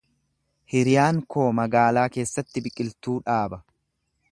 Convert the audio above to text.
Hiriyaan koo magaalaa keessatti biqiltuu dhaaba.